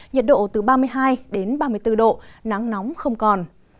nhiệt độ từ ba mươi hai đến ba mươi bốn độ nắng nóng không còn